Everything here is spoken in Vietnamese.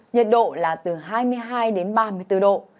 nhiệt độ là từ hai mươi hai đến ba mươi bốn độ